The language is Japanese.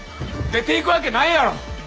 出ていくわけないやろ！